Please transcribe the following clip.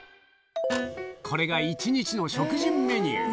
これが１日の食事メニュー。